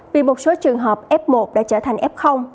vì một số trường hợp f một đã trở thành f